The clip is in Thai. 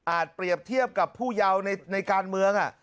เปรียบเทียบกับผู้เยาว์ในการเมือง